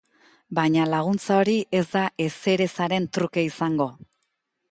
Baina laguntza hori ez da ezerezaren truke izango.